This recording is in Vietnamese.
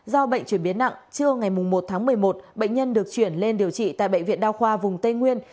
do bệnh chuyển biến nặng trưa ngày một tháng một mươi một bệnh nhân được chuyển lên điều trị tại bệnh viện đa khoa vùng tây nguyên